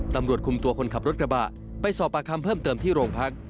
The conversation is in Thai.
ตำรวจคุมตัวคนขับรถกระบะไปสอบปากคำเพิ่มเติมที่โรงพัก